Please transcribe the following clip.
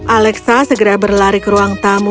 alexa segera berlari ke ruang tamu